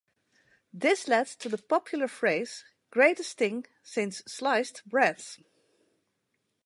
This led to the popular phrase "greatest thing since sliced bread".